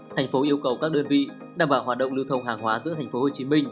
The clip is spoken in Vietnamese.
tp hcm yêu cầu các đơn vị đảm bảo hoạt động lưu thông hàng hóa giữa tp hcm